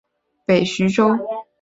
南朝陈改为北徐州。